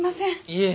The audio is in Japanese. いえ。